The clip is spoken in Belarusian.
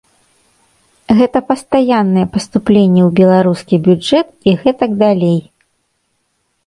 Гэта пастаянныя паступленні ў беларускі бюджэт і гэтак далей.